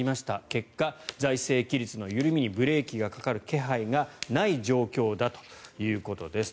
結果、財政規律の緩みにブレーキがかかる気配がない状況だということです。